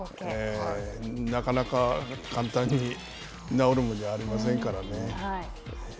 なかなか簡単に治るもんじゃありませんからね。